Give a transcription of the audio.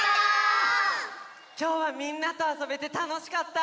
きょうはみんなとあそべてたのしかった！